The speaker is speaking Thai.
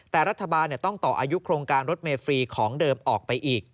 แต่รัฐบาลต้องต่ออายุโครงการรถเมฟรีของเดิมออกไปอีก